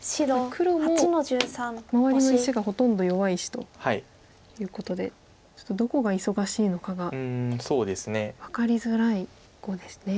黒も周りの石がほとんど弱い石ということでちょっとどこが忙しいのかが分かりづらい碁ですね。